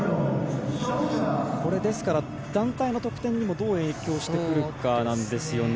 これ、ですから団体の得点にもどう影響してくるかですね。